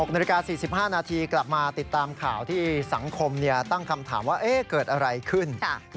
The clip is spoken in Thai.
๖นาฬิกา๔๕นาทีกลับมาติดตามข่าวที่สังคมตั้งคำถามว่าเกิดอะไรขึ้น